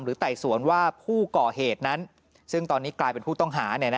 ไต่สวนว่าผู้ก่อเหตุนั้นซึ่งตอนนี้กลายเป็นผู้ต้องหา